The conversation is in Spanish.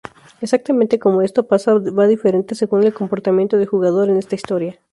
Exactamente como esto pasa va diferente según el comportamiento del jugador en esta historia.